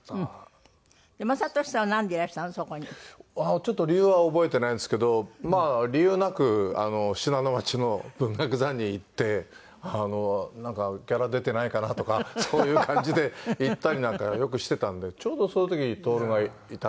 ちょっと理由は覚えてないんですけどまあ理由なく信濃町の文学座に行ってあのなんかギャラ出てないかな？とかそういう感じで行ったりなんかはよくしてたのでちょうどその時に徹がいたと思うので。